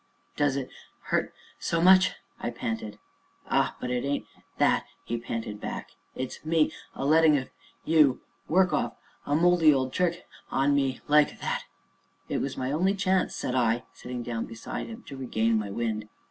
"Does it hurt so much?" I panted. "Ah! but it ain't that," he panted back; "it's me a lettin' of you work off a mouldy old trick on me like that there " "It was my only chance," said I, sitting down beside him to regain my wind.